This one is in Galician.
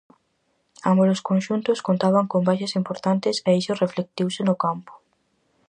Ámbolos conxuntos contaban con baixas importantes e iso reflectiuse no campo.